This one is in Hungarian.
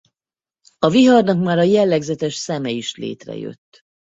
A viharnak már a jellegzetes szeme is létrejött.